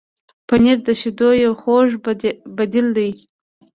پنېر د شیدو یو خوږ بدیل دی.